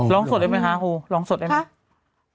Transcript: ร้องสดเลยไหมครับฮูร้องสดครับ